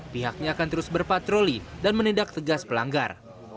pihaknya akan terus berpatroli dan menindak tegas pelanggar